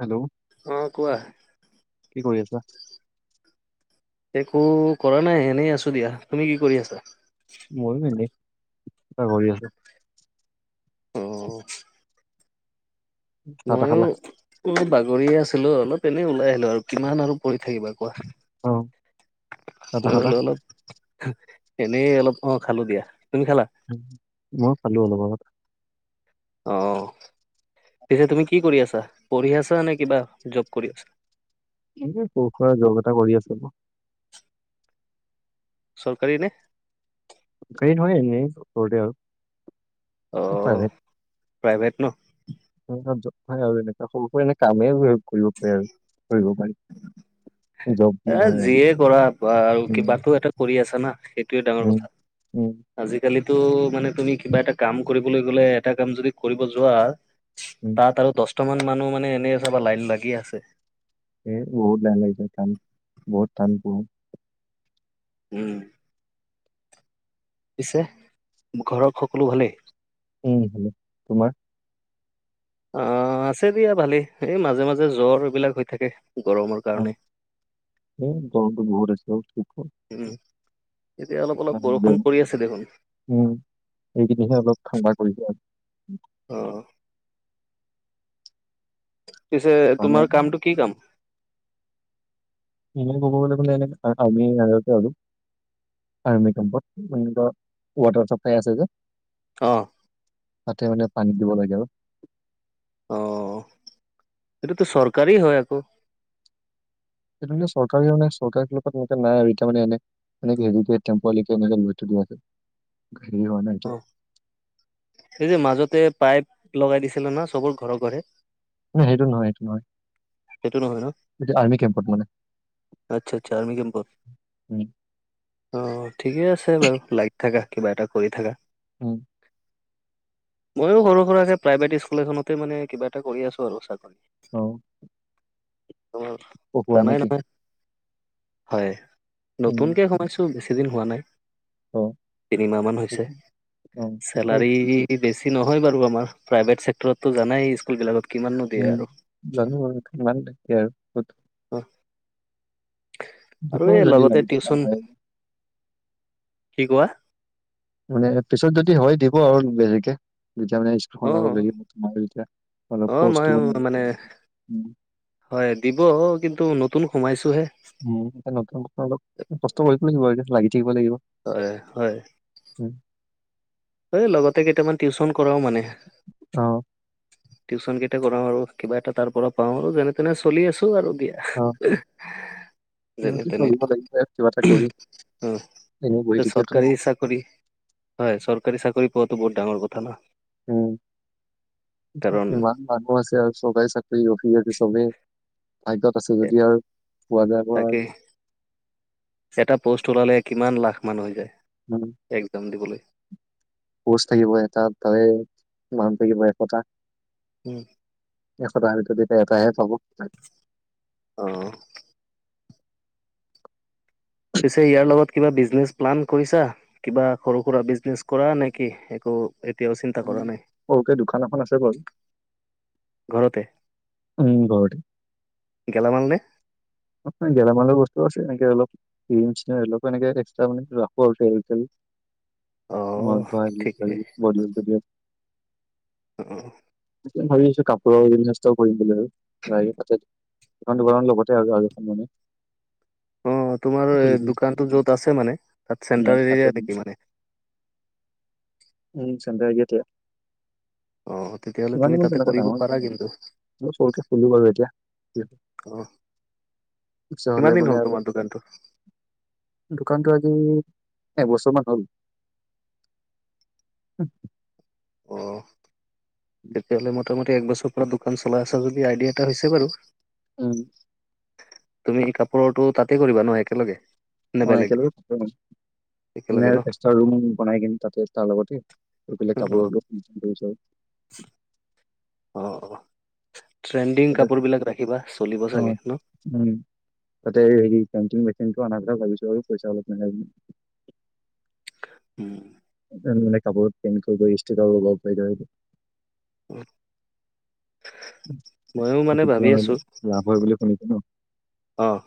Hello অ, কোৱা। কি কৰি আছা? একো কৰা নাই এনেই আছো দিয়া। তুমি কি কৰি আছা? ময়ো এনে কাম এটা কৰি আছো উম চা তাহ খালা অ বাগৰিয়ে আছিলো অলপ এনেই ওলাই আহিলো আৰু কিমান আৰু বহি থাকিবা কোৱা অ চাহ তাহ মই খালা? বোলো অলপ এনেই অলপ অ খালো দিয়া তুমি খালা ঊ মই খালো অলপ আগত অ পিছে তুমি কি কৰি আছা? পঢ়ি আছা নে কিবা জব কৰি আছা? এনে সৰু সুৰা জব এটা কৰি আছিলো চৰকাৰী নে হেই নহয় এনেই ওচৰতে আৰু অ প্ৰাইভেট প্ৰাইভেট ন হয় আৰু এনে সৰু এনে কামেই কৰিব পাৰি আৰু কৰিব পাৰি জব বুলি এ নহয় আৰু। যিয়ে কৰা বাল আৰু উম কিবাটো এটা কৰি আছা না সেইটোৱে ডাঙৰ উম কথা উম আজিকালিতো মানে তুমি কিবা এটা কাম কৰিবলৈ গ'লে এটা কাম যদি কৰিব যোৱা উম তাত আৰু দহটা মান মানুহ মানে এনেই চাবা লাইন লাগি আছে এ বহুত বেয়া লাগি যায় টান বহুত টান পৰে উম পিছে ঘৰৰ সকলো ভালেই উম ভালেই তোমাৰ অ আছে দিয়া ভালেই, এই মাজে মাজে জ্বৰ এইবিলাক হৈ থাকে গৰম আৰু অ এ গৰমতো বহুত আছে অ কি কম উম, এতিয়া অলপ অলপ বৰষুণ পৰি আছে দেখোন। উম এইকেইদিনহে অলপ ঠাণ্ডা কৰিছে আৰু অ পিছে আৰু। তোমাৰ কামটো কি কাম ইনে কব লে আমি টাইমিং লাগেতো আৰু আৰ্মি কেম্পত ইতৰ ৱাটাৰ চাপ্লাই আছে যে অ তাতে মানে পানী দিব লাগে আৰু অ এইটোতো চৰকাৰী হয় আকৌ সেইটো মানে চৰকাৰী মানে চৰকাৰ ফালৰ তেনেকে নাই আৰু এতিয়া মানে এনে এনেকে হেৰিকে টেম্পোৱাৰীকে এনেকে লৈ থৈ দি আছে, হেৰি হোৱা নাই এইটো। সেই যে মাজত‌ পাইপ লগাই দিছিলে না চবৰ ঘৰে ঘৰে নহয় সেইটো নহয় সেইটো নহয়। সেইটো নহয় ন। এইটো আৰ্মি কেম্পত মানে আচ্ছা আচ্ছা আৰ্মি কেম্পত উম অ ঠিকে আছে বাৰু, লাইক থাকা কিবা এটা কৰি থাকা। উম মইয়ো সৰু সুৰাকে মানে প্ৰাইভেট স্কুল এখনতে মানে কিবা এটা কৰি আছো আৰু চা অ উম, অ হোৱা জানাই নেকি নহয় হয়। উম নতুনকে সোমাইছো ও বেছি দিন হোৱা নাই, অ তিনিমাহ মান হৈছে অ ঠিকেই চেলাৰী ই বেছি নহয় বাৰু আমাৰ প্ৰাইভেট চেক্টৰতটো জানাই স্কুল বিলাকত কিমাননো দিয়ে উম আৰু জানো জানো ইমান ঠিকে আৰু ত- অ দিব আৰু এই যদি লগতে লাগি থকা টিউচন হয় কি কোৱা? মানে, পিছত যদি হয় দিব আৰু দেৰিকে যেতিয়া মানে অ অনলাইনত লাগিব তোমাৰ এতিয়া অলপ অ মই পষ্টটোৱো মানে উম হয় দিব কিন্তু নতুন সোমাইছোহে। উম এতিয়া নতুনকৈ অলপ কষ্ট কৰি লাগিব আৰু এতিয়া লাগি থাকিব লাগিব হয়, হয়। উম। এই লগতে কেইটামান, টিউচন কৰাও মানে। অহ। টিউচন কেইটা কৰাও আৰু কিবা এটা তাৰ পৰা পাও, আৰু যেনে তেনে চলি আছো আৰু দিয়া। অ। যেনে তেনেকে তেনে। চলিব লাগিব আৰু কিবা এটা কৰি অ, এনেই বহি থাকিলেতো চৰকাৰী নহ'ব। চাকৰি। হয়, চৰকাৰী চাকৰি পোৱাতটো বহুত ডাঙৰ কথা। উম, কাৰণ কিমান। মানুহ আছে আৰু চৰকাৰী চাকৰি আজিকালি চবে ভাগ্যত। আছে যদি আৰু পোৱা যায় বা। তাকে এটা প'ষ্ট ওলালে, কিমান লাখ মানুহ হৈ যায়। উম। একজাম দিবলৈ। পষ্ট থাকিব এটাত তাৰে মানুহ থাকিব এশতা। উম। এশ টকাৰ ভিতৰত এতিয়া এটাহে‌ পাব। অ। পিছে ইয়াৰ লগত কিবা বিজনেছ প্লান কৰিছা? কিবা সৰু-সুৰা বিজনেচ। কৰা নেকি? একো এতিয়াও চিন্তা উম, কৰা নাই। সৰুকে দোকান এখন আছে বাৰু ঘৰতে। উম, ঘৰতে। গেলামাল নে? গেলামালৰ বস্তু আছে, এনেকে অলপ। অলপ এনেকা এক্সতা মানে। অ মই ঘৰৰ ঠিকেই [unintelligible] [unintelligible] ভাবি আছো কাপোৰৰ বিজনেছ এটা কৰিম বুলি। এখন দুকানৰ লগতে আৰু আৰু এখন মানে। অ' তোমাৰো খুলিম দোকানতো যত আছে মানে, তাত উম চেণ্টাৰ তাতে এৰিয়া নেকি মানে? উম, চেন্টাৰ [unintelligible] [inaudible] আহ তেতিয়া হ'লে তুমি মানে তাতে তেনেকুৱা কৰিব ডাঙৰ নহয় পাৰা আৰু কিন্তু। মই সৰুকে খুলো বাৰু এতিয়া অ'। পইছা কিমান হ'লে দিন মানে হ'ল আৰু তোমাৰ দোকানটো দোকানতো আজি এবছৰমান হ'ল। অ, তেতিয়াহ'লে মোটামুটি একবছৰ পৰা দোকান চলাই আছা যদি আইডিয়া এটা হৈছে বাৰু। উম। তুমি কাপোৰৰটো তাতেই কৰিবা ন একেলগে? নে অ, বেলেগ একেলগে কৰিম। নে একেলগে ন এক্সট্ৰা ৰুম বনাই কিনি তাতে তাৰ লগতে, বেলেগ অ কাপোৰৰ [unintelligible] অ, অ, ট্ৰেণ্ডিং তাতে কাপোৰবিলাক ৰাখিবা চলিব অ চাগে ন? উম, তাতে হেৰি পেণ্টিং মেচিনটো আনাৰ কথা ভাবিছো আৰু পইচা অলপ মিলাই কিনি। উম। মানে কাপোৰত পেণ্ট কৰি কৰি ষ্টিকাৰ লগাব পাৰি যে সেইটো [unintelligible] ময়ো মানে সেইটো তো ভাবি আছো লাভ হয় বুলি শুনিছো ন। অ'।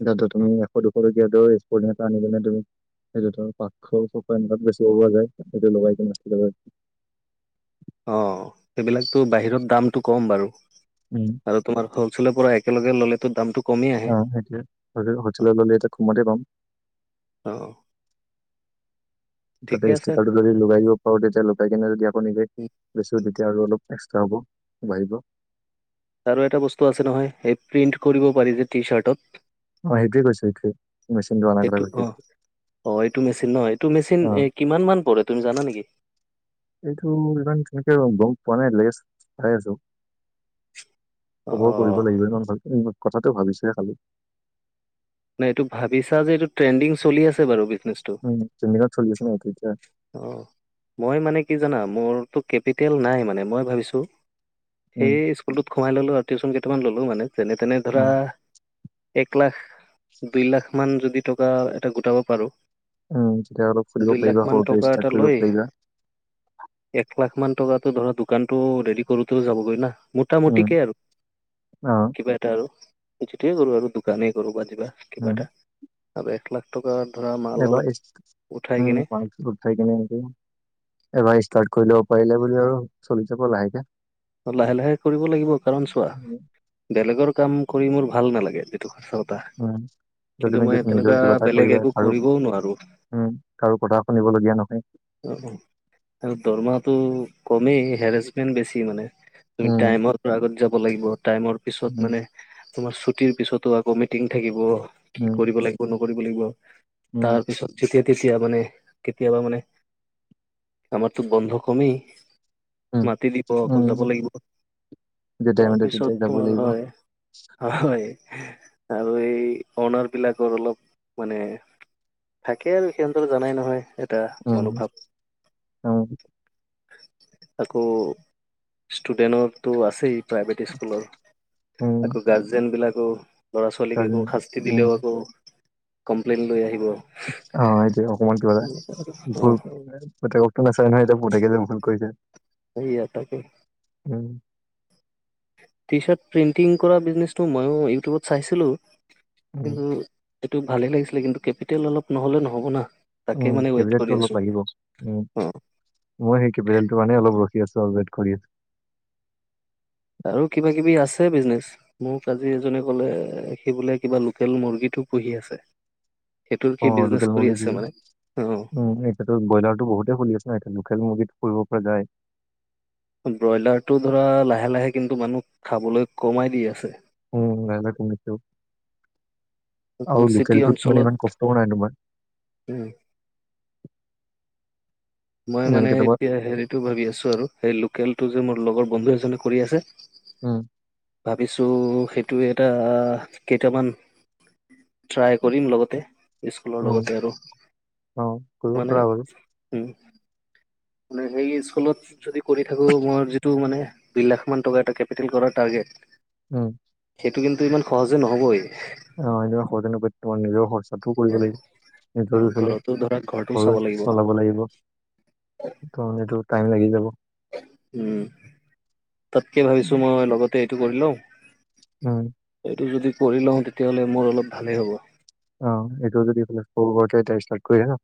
এতিয়া তুমি এশ, দুশ টকীয়াতে স্পৰ্টিং এটা আনি কিনে তুমি সেইটো তোমাৰ পাকশ, ছশ অনেকাত বেছিব পৰা যায়। সেইটো লগাই কিনে ষ্টিকাৰ লগাই অ সেইবিলাকতো বাহিৰত দামটো কম বাৰু। উম। আৰু তোমাৰ হ'লছেৰ পৰা একেলগে ললেতো দামটো কমেই আহে অ সেইটোয়ে হলেও হলচেল ললে এটা কমতে পাম। অ অ তাতে আছে। ষ্টিকাৰতো যদি লগাই দিব পাৰো তেতিয়া লগাই কিনে যদি আকৌ নিজে, উম, বেচো তেতিয়া আৰু অলপ এক্সট্ৰা হ'ব বাঢ়িব আৰু এটা বস্তু আছে নহয় এই প্ৰিণ্ট কৰিব পাৰি যে টি-চাৰ্টত। অঁ সেইটোৱে কৈছো সেইটোৱে মেচিনটো অনাৰ কথা এইটো কৈছো অ, এইটোৱে অ এইটো মেচিন ন এইটো মেচিন এ অঁ কিমান মান পৰে তুমি জানা নেকি? এইটো ইমান তেনেকে গম পোৱা নাই আজিলৈকে চাই আছো। অ খবৰ কৰিব লাগিব ইমান ভালকে, কথাটো ভাবিছোঁ হে খালি। নাই এইটো ভাবিছা যে এইটো ট্ৰেণ্ডিং চলি আছে বাৰু বিজনেছটো। উম, ট্ৰেণ্ডিঙত চলি আছে ন এইটো এতিয়া? অ, মই মানে কি জানা মোৰতো কেপিটেল নাই মানে। মই ভাবিছোঁ, সেই উম স্কুলটোত সোমাই ললো আৰু টিউচন কেইটামান ললো মানে যেনে তেনে অ ধৰা এক লাখ দুইলাখ মান যদি টকা এটা গোটাব পাৰোঁ উম, তেতিয়া অলপ খুলিব পাৰিবা সৰুকে ষ্টাৰ্ট কৰিব পাৰিবা। একলাখ মান টকাটো ধৰা দোকানটো ৰেডি কৰোতেও যাবগৈ না। উম, মোটামুটিকে আৰু, অ, কিবা এটা আৰু- কিছুটে কৰো আৰু দোকানেই কৰো বা যিবা কিবা উম, এটা আৰু এক লাখ টকা ধৰা- মাল অলপ এইবাৰ, উঠাই উম কিনে পাইছো। চাই কিনে সেইটো এবাৰ ষ্টাৰ্ট কৰি লব পাৰিলে বুলি আৰু চলি যাব লাহেকে। অ লাহে লাহে কৰিব লাগিব কাৰণ চোৱা, উম, বেলেগৰ কাম কৰি মোৰ ভাল নালাগে। টো সঁচা কথা উম, যদি কিন্তু তুমি মই যদি নিজৰ তেনেকুৱা কিবা এটা বেলেগ কৰিবা একো কাৰো কৰিবও নোৱাৰো। উম, কাৰো কথা শুনিবলগীয়া নহয়। অ অ, আৰু দৰমহাটো কমেই হেৰেছমেণ্ট বেছি মানে। তুমি উম, টাইমৰ পৰা আগত যাব লাগিব টাইমৰ পিছত উম, মানে তোমাৰ ছুটিৰ পিছতো আকৌ মিটিং থাকিব। কি উম, কৰিব লাগিব নকৰিব লাগিব উম, তাৰপিছত যেতিয়া, তেতিয়া মানে কেতিয়াবা মানে আমাৰতো বন্ধ কমেই। উম, মাতি দিব আকৌ উম। যাব লাগিব যেতিয়াই মানে তেতিয়াই তাৰপিছত যাব তোমাৰ লাগিব। হয় হয় আৰু এই অনাৰবিলাকৰ অলপ মানে থাকে আৰু সিহঁত জানাই নহয় এটা উম, মনোভাৱ। উম, তাকো- ষ্টুডেণ্টো আছেই প্ৰাইভেট স্কুলৰ, উম, আকৌ গাৰ্জেন বিলাকো- ল'ৰা ছোৱালীক একো কাৰণ- শাস্তি উম, দিলেও আকৌ, কমপ্লেইন লৈ আহিব। অহ এটোয়া অকমান কিবা এটা অ ভুল পুতেকক ত নাচাই নহয় এতিয়া পুতেকে যে ভুল কৰিছে। সেইয়া তাকে। উম। টি চাৰ্ট প্ৰিণ্টিং কৰা বিজনেচটো ময়ো ইউটিউবত চাইছিলোঁ উম, কিন্তু- সেইটো ভালে লাগিছিলে কিন্তু কেপিটেল অলপ নহ'লে নহ'ব না। তাকে উম মানে ৱেইট কেপিটেলটো কৰি অলপ আছো লাগিব উম। অ মই সেই কেপিটেলটো কাৰণে অলপ ৰখি আছো ৱেট কৰি- আৰু কিবা কিবি আছে বিজনেচ। মোক আজি এজনে ক'লে সি বোলে কিবা লোকেল মুৰ্গীটো পুহি আছে। সেইটোৰ কি অ', বিজনেচ কৰি আছে মানে, অহ। সেই ব্ৰইলাৰটো বহুতে খুলি আছে ন এতিয়া লোকেল মুৰ্গীত খুলিব পৰা যায়। ব্ৰইলাৰটো ধৰা লাহে লাহে কিন্তু মানুহ খাবলৈ কমাই দি আছে। উম, লাহে- লাহে কমি ছেও অকল আৰু চিটি লোকেলটোত মানে অঞ্চলত ইমান কষ্টও নাই তোমাৰ। [unintelligible] মই মানে যেনেকে তোমাৰ এতিয়া হেৰিটো ভাবি আছোঁ আৰু সেই লোকেলটো যে মোৰ লগৰ বন্ধু এজনে কৰি আছে। উম, ভাবিছোঁ সেইটো এটা কেইটামান ট্ৰাই কৰিম লগতে স্কুলৰ উম, লগতে আৰু অ', কৰিব মানে পৰা বাৰু উম, মানে সেই স্কুলত যদি কৰি থাকো মৰ যিটো মানে দুই লাখ মান টকা এটা কেপিটেল কৰা টাৰ্গেট উম, সেটো কিন্তু ইমান সহজে নহবই। অহ, সিদিনা [unintelligible] তোমাৰ নিজৰ খৰছ তাতো কৰিব অ লাগিব ইণ্টাৰভিউ ফালে ঘৰতো ধৰা ঘৰটো ঘৰ চাব লাগিব ন চলাব লাগিব। কাৰন এইটো টাইম লাগি যাব। উম, তাতকে ভাবিছোঁ মই লগতে এইটো কৰিলওঁ। উম, এইটো যদি কৰি লওঁ তেতিয়া হ'লে মোৰ অলপ ভালেই হ'ব। অ, এইটো যদি ইফেলে সৰু- বৰকে ষ্টাৰ্ট কৰি আ আহা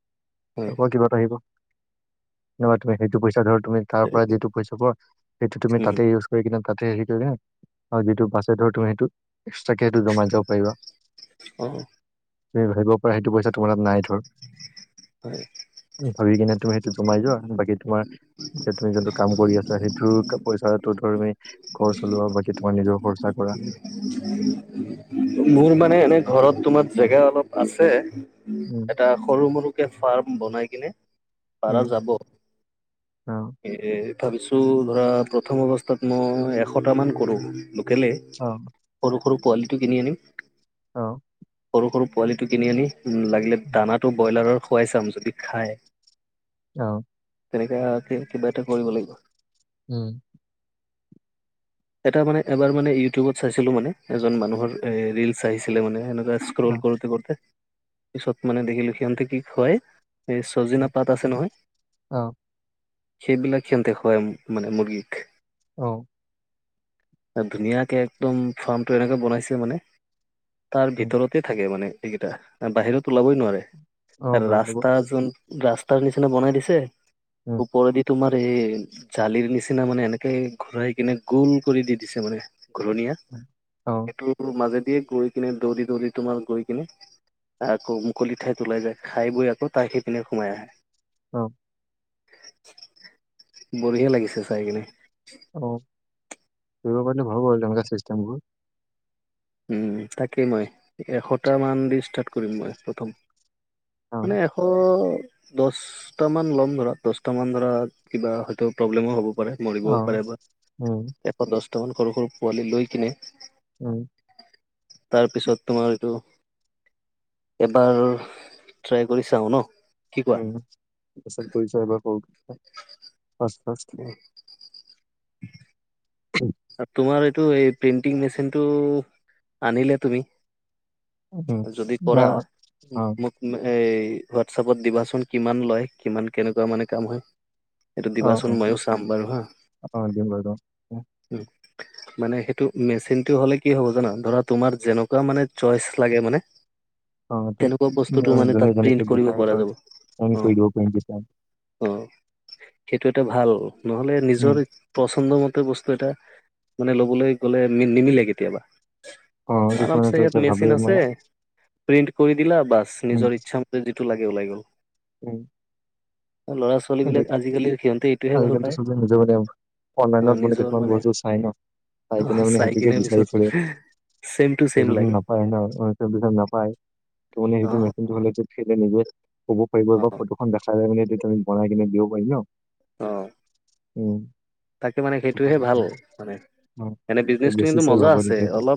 হয় তাৰপা কিবা এটা আহিব। নহয় তুমি সেইটো পইচা ধৰ তুমি তাৰ পৰা যিটো পইচা পোৱা সেইটো তুমি উম তাতে ইউজ থৈ কীনে তাতে হেৰি কৰি কেনে হয় যিটো বাছে ধৰ তুমি সেইটো এক্সট্ৰাকে সেইটো জমাই যাব পাৰিবা। অ', তুমি ভাবিব পাৰা সেইটো পইচা তোমাৰ তাত নাই ধৰ। উম, ভাবি কিনে তুমি সেইটো জমাই যোৱা বাকী তোমাৰ এতিয়া তুমি যোনটো কাম কৰি আছা সেইটোটো পইচাটো থোৱা তুমি ঘৰ চলোৱা বাকী তোমাৰ নিজৰ খৰছা কৰা। [unintelligible] মোৰ মানে এনে ঘৰত তোমাৰ জেগা অলপ আছে উম এটা সৰু -মৰু- কে ফাৰ্ম বনাই কিনে পাৰা যাব। অহ', এ -এ ভাবিছোঁ ধৰা প্ৰথম অৱস্থাত মই এশটামান কৰোঁ লোকেলে। অ', সৰু- সৰু পোৱালিটো কিনি আনিম। অ', সৰু -সৰু পোৱালিটো কিনি আনি উম লাগিলে উম, দানাটো বইলাৰৰ খুৱাই চাম যদি খাই। অ', তেনেকা কিবা এটা কৰিব লাগিব। উম, [inaudible] এটা মানে এবাৰ মানে ইউটিউবত চাইছিলো মানে, এজন মানুহৰ এ ৰিলচ আহিছিলে মানে সেনেকুৱা অ ট্ৰল কৰোঁতে -কৰোঁতে পিচত মানে দেখিলোঁ হিহন্তে কি খুৱাই এ চজিনা পাত আছে নহয় অ', সেইবিলাক হিহন্তে খুৱাই মানে মুৰ্গীক। অ', তে ধুনীয়াকে একদম ফাৰ্মটো এনেকে বনাইছে মানে তাৰ উম ভিতৰতে থাকে মানে এইকেইটা অ, বাহিৰত ওলাবই নোৱাৰে। অ ভাল হ'ব ৰাস্তা যোন ৰাস্তাৰ নিচিনা বনাই দিছে উম ওপৰে দি তোমাৰ এই জালিৰ নিচিনা মানে এনেকে ঘূৰাই কিনে গোল কৰি দি দিছে মানে। ঘূৰণীয়া উম, অ সেইটোৰ মাজেদিয়ে গৈ কিনে দৌৰি- দৌৰি তোমাৰ গৈ কিনে আকৌ মুকলি ঠাইত ওলাই যায় খাই বৈ আকৌ তাই সি পিনে সোমাই আহে। অঁ। বঢ়িয়া লাগিছে চাই কিনে। অঁ, কৰিব পাৰিলে ভাল বাৰু তেনেকুৱা চিষ্টেমবোৰ। উম তাকেই মই এশটা মান দি ষ্টাৰ্ট কৰিম মই প্ৰথম। অ মানে এশ দছটা মান ল'ম ধৰা দছটা মান ধৰা কিবা হয়টো প্ৰব্লেমো হ'ব পাৰে। অ মৰিবও পাৰে বা উম এশ দছটা মান সৰু সৰু পোৱালি লৈ কিনে উম। তাৰপিছত তোমাৰ এইটো এবাৰ ট্ৰাই কৰি চাওঁ ন? কোৱা চাকৰি [unintelligible] [unintelligible] [unintelligible] তোমাৰ এইটো এই প্ৰেন্টিং মেচিনটো আনিলে তুমি? যদি কৰা নাই অ অ মোক মো এই হোৱাটছাপত দিবাচোন, কিমান লয় কিমান কেনেকুৱা মানে কাম হয়? এইটো দিবাচোন ময়ো চাম বাৰু হা। অঁ দিম বাৰু। উম। মানে সেইটো মেচিনটো হ'লে কি হ'ব জানা? ধৰা তোমাৰ যেনেকুৱা মানে চয়েচ লাগে মানে [unintelligible] অ তেনেকুৱা বস্তুটো মানে জনে তাত জনে ক প্ৰিন্ট কৰিব বিকায় এ ক পৰা ৰ যাব। ক জ। [unintelligible] অঁ, সেইটো এটা ভাল নহ'লে উম নিজৰ পছন্দ মতে বস্তু বস্তু এটা মানে ল'বলৈ গ'লে নি নি নিমিলে কেতিয়াবা। অ আমাৰ কিছুমানে তো ইয়াত এতিয়া ভাবে মেচিন মই আছে প্ৰিন্ট কৰি দিলা বাছ উম নিজৰ ইচ্ছা ম যিটো লাগে ওলাই গ'ল। উম। ল'ৰা ছো সেইটোৱে, আজিকালিটো চবে নিজৰ এনেও অ', অনলাইনত মানে নিজৰ কিছুমান বস্তু চাই ন? চাই কিনে অ', মানে সেইটোকে কিনে বিচাৰি পিছত ফুৰে। ছেম টু ছেম লাগে নাপায় ন নাপায় ত মানে অ', সেইটো [unintelligible] সেইটো হ'লে এইটোত খেলি মেলি আছে। নিজে ক'ব পাৰিব বা অ', ফটোখন দেখাই মানে এইটো আমি বনাই কিনে দিব পাৰিম ন? অঁ। উম, সেইটোহে ভাল মানে এনে অঁ বিজনেচটো বেছি কিন্তু চেল মজা আছে হ'ব অলপ